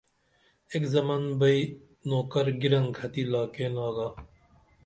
ایک زمن بئی نوکر گیرنکھتی لاکین آگا